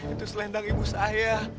itu selendang ibu saya